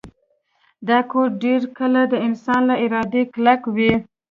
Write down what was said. دا کوډ ډیر کله د انسان له ارادې کلک وي